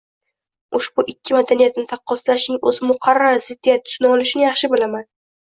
Ushbu ikki madaniyatni taqqoslashning o‘zi muqarrar ziddiyat tusini olishini yaxshi bilaman